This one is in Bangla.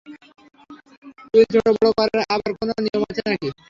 চুল ছোটো-বড় করার আবার কোনো নিয়ম আছে নাকি?